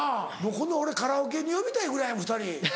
今度俺カラオケに呼びたいぐらいやもん２人。